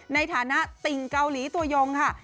ในฐานะติ่งเกาหลีตัวยงค่ะ